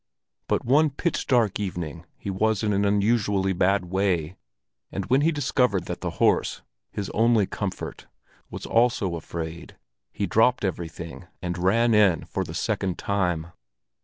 But one pitch dark evening he was in an unusually bad way, and when he discovered that the horse, his only comfort, was also afraid, he dropped everything and ran in for the second time.